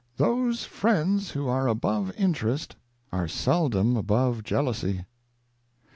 ' Those Friends who are above Interest are seldom above Jealousy.'